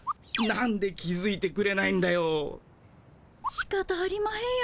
しかたありまへんよ